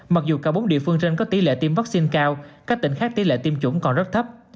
mặc dù cả bốn địa phương trên có tỷ lệ tiêm vaccine cao các tỉnh khác tỷ lệ tiêm chủng còn rất thấp